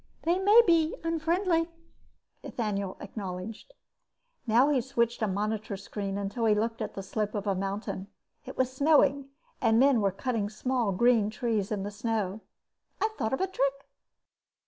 "They may be unfriendly," Ethaniel acknowledged. Now he switched a monitor screen until he looked at the slope of a mountain. It was snowing and men were cutting small green trees in the snow. "I've thought of a trick."